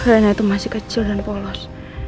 karena itu masih kecil dan polos